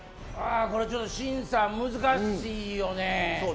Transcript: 審査、難しいよね。